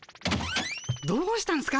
どうしたんすか？